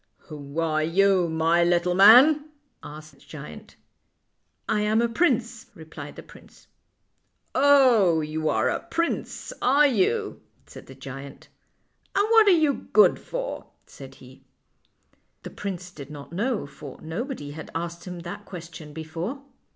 "Who are you, my little man?' ; asked the giant. " I am a prince," replied the prince. "Oh, you are a prince, are you?' ; said the giant. " And what are you good for? " said he. THE LITTLE WHITE CAT 141 The prince did not know, for nobody had asked him that question before.